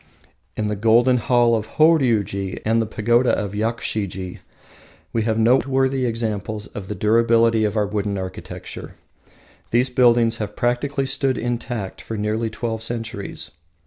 In the Golden Hall of Horiuji and the Pagoda of Yakushiji, we have noteworthy examples of the durability of our wooden architecture. These buildings have practically stood intact for nearly twelve centuries.